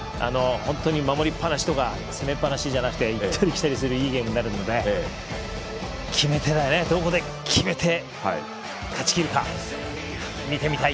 守りっぱなしとか攻めっぱなしじゃなくて行ったり来たりするいいゲームになるのでどこで決めて勝ちきるか見てみたい。